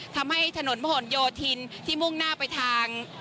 ทำให้ถนนมหลโยธินที่มุ่งหน้าไปทาง